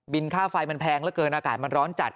บินค่าไฟมันแพงเกินอากาศมันร้อนจัด